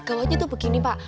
gawatnya tuh begini pak